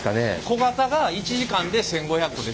小型が１時間で１，５００個でしたよね。